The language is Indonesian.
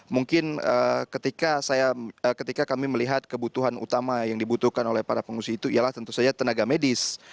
mungkin ketika kami melihat kebutuhan utama yang dibutuhkan oleh para pengungsi itu ialah tentu saja tenaga medis